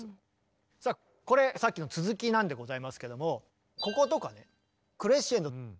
さあこれさっきの続きなんでございますけどもこことかねクレッシェンド。